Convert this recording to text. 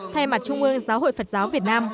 thay mặt trung ương giáo hội phật giáo việt nam